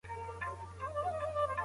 هغه د هېواد حالت له نږدې وڅېړه.